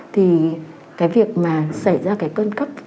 thì cái việc mà xảy ra cái cân cấp